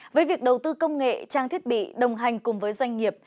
với việc đầu tư công nghệ trang thiết bị đồng hành cùng với doanh nghiệp